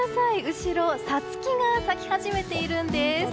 後ろサツキが咲き始めているんです。